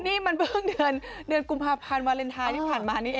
เนี่ยมันเพิ่งเงินกุมภาพันธ์วาเลนไทยถึงผ่านมา